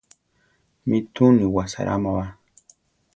Mi túu ni wasaráma ba.